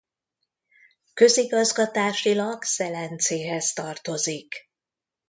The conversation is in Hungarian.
Közigazgatásilag Szelencéhez tartozik.